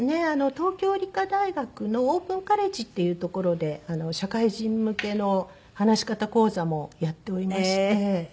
東京理科大学のオープンカレッジっていう所で社会人向けの話し方講座もやっておりまして。